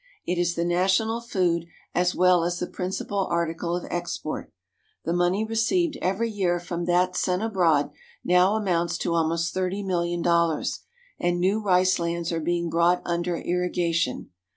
It is the national food as well as the principal article of export. The money received every year from that sent abroad now amounts to almost thirty million dollars, and new rice lands are being brought under irrigation.